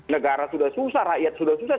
negara sudah susah rakyat sudah susah